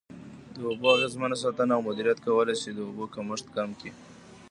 د اوبو اغیزمنه ساتنه او مدیریت کولای شي د اوبو کمښت کم کړي.